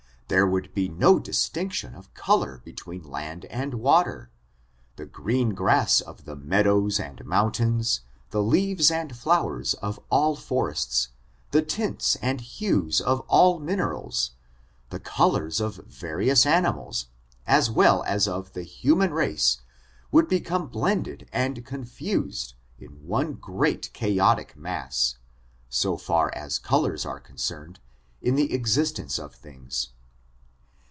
There would be no distinction of color be tween land and water. The green grass of the meadows and mountains, the leaves and flowers of all forests, the tints and hues of all minerals, the col ors of various animals, as well as of the human race, would become blended and confused in one great chaotic mass, so far as colors are concerned, in the existence of things.